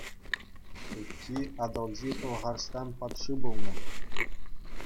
Тукки Атӑлҫи Пӑлхарстан патши пулнӑ.